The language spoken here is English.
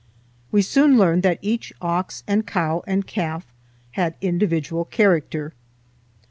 We soon learned that each ox and cow and calf had individual character.